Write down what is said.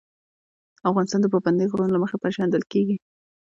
افغانستان د پابندی غرونه له مخې پېژندل کېږي.